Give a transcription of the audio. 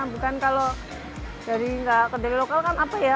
bukan kalau dari kedelai lokal kan apa ya